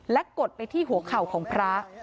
กดไปที่หัวเข่าของพระ